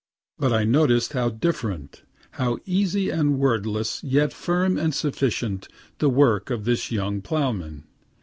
But I noticed how different, how easy and wordless, yet firm and sufficient, the work of this young ploughman.